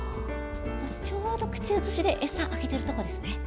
ちょうど口移しで餌あげてるところですね。